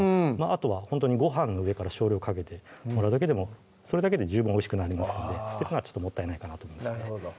あとはほんとにご飯の上から少量かけてもらうだけでもそれだけで十分おいしくなりますので捨てるのはちょっともったいないかなと思いますね